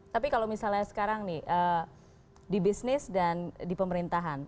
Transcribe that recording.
tapi kalau misalnya sekarang nih di bisnis dan di pemerintahan